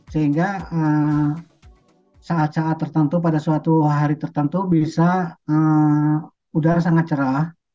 sehingga saat saat tertentu pada suatu hari tertentu bisa udara sangat cerah